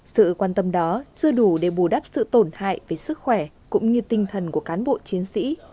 sự quan tâm đó chưa đủ để bù đắp sự tổn hại về sức khỏe cũng như tinh thần của cán bộ chiến sĩ